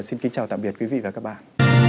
xin kính chào tạm biệt quý vị và các bạn